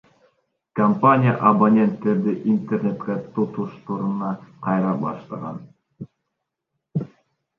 Компания абоненттерди Интернетке туташтырууну кайра баштаган.